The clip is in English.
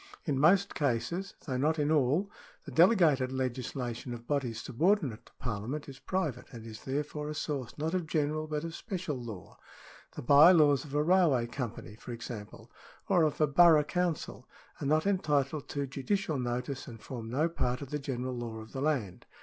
In R most cases, though not in all, the delegated legislation of C bodies subordinate to Parliament is private, and is therefore .Jf a source, not of general, but of special law. The by laws of a * railway company, for example, or of a borough council, are not entitled to judicial notice, and form no part of the general law of the land.